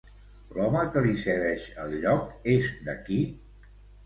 L'home que li cedeix el lloc és d'aquí?